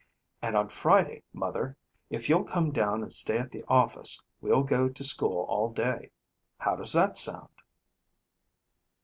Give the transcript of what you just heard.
And on Friday, Mother, if you'll come down and stay at the office, we'll go to school all day. How does that sound?"